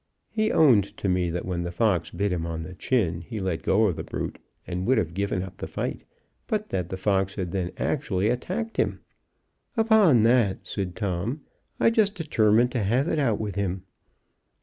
He owned to me that when the fox bit him on the chin, he let go of the brute, and would have given up the fight, but that the fox had then actually attacked him. "Upon that," said Tom, "I just determined to have it out with him."